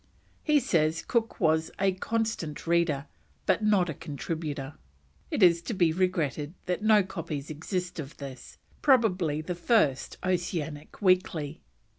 He says Cook was a "Constant Reader," but not a "Contributor." It is to be regretted that no copies exist of this, probably the first oceanic weekly.